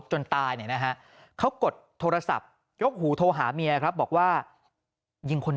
จนตายเนี่ยนะฮะเขากดโทรศัพท์ยกหูโทรหาเมียครับบอกว่ายิงคนตาย